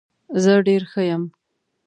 زه ډیر ښه یم.